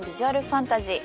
ファンタジー